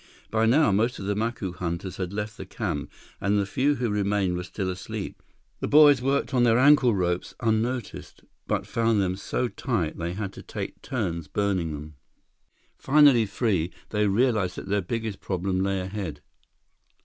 By now, most of the Macu hunters had left the camp, and the few who remained were still asleep. The boys worked on their ankle ropes, unnoticed, but found them so tight that they had to take turns burning them. Finally free, they realized that their biggest problem lay ahead.